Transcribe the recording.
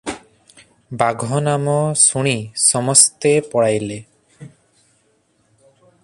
ବାଘ ନାମ ଶୁଣି ସମସ୍ତେ ପଳାଇଲେ ।